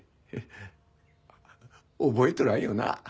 覚えとらんよな。